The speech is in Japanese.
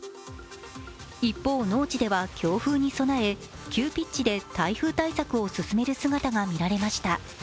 一方、農地では強風に備え、急ピッチで台風対策を進める姿が見られました。